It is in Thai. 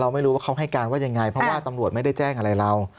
ไม่รู้ว่าเขาให้การว่ายังไงเพราะว่าตำรวจไม่ได้แจ้งอะไรเรา